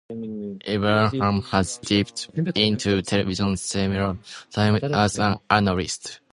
Evernham has dipped into television several times as an analyst.